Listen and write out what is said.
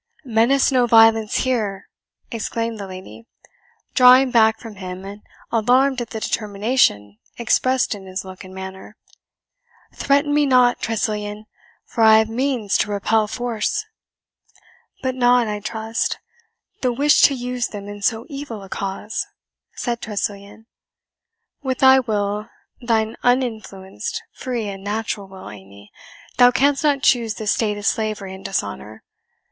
"Menace no violence here!" exclaimed the lady, drawing back from him, and alarmed at the determination expressed in his look and manner; "threaten me not, Tressilian, for I have means to repel force." "But not, I trust, the wish to use them in so evil a cause?" said Tressilian. "With thy will thine uninfluenced, free, and natural will, Amy, thou canst not choose this state of slavery and dishonour.